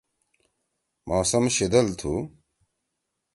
موسم شِدل تُھو۔